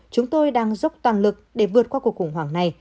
chúng tôi đang dốc toàn lực để vượt qua cuộc khủng hoảng này